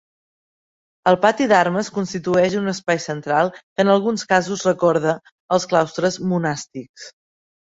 El pati d'armes constitueix un espai central que en alguns casos recorda els claustres monàstics.